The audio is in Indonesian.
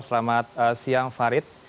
selamat siang farid